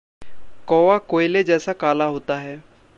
कौआ कोयले जैसा काला होता है।